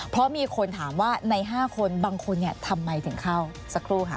เพราะมีคนถามว่าใน๕คนบางคนทำไมถึงเข้าสักครู่ค่ะ